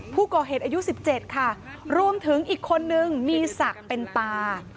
ผู้ก่อเหตุอายุ๑๗ค่ะรวมถึงอีกคนนึงมีศักดิ์เป็นตา